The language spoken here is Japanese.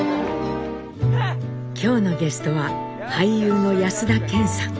今日のゲストは俳優の安田顕さん。